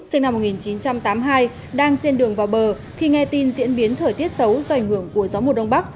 sinh năm một nghìn chín trăm tám mươi hai đang trên đường vào bờ khi nghe tin diễn biến thời tiết xấu do ảnh hưởng của gió mùa đông bắc